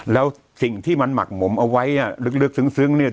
แล้วสิ่งที่มันหมักหมมเอาไว้ลึกซึ้งเนี่ย